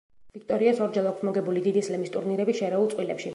ვიქტორიას ორჯერ აქვს მოგებული დიდი სლემის ტურნირები შერეულ წყვილებში.